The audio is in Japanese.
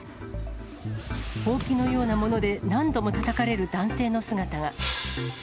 ほうきのようなもので何度もたたかれる男性の姿が。